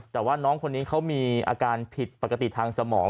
แต่ว่าน้องคนนี้เขามีอาการผิดปกติทางสมอง